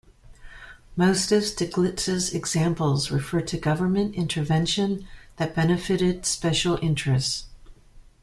Most of Stiglitz's examples refer to government intervention that benefited special interests.